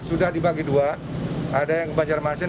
sudah dibagi dua ada yang ke banjarmasin